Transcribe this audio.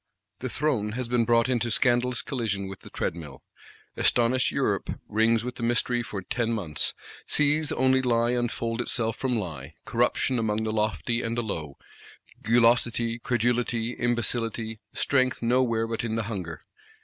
The Throne has been brought into scandalous collision with the Treadmill. Astonished Europe rings with the mystery for ten months; sees only lie unfold itself from lie; corruption among the lofty and the low, gulosity, credulity, imbecility, strength nowhere but in the hunger.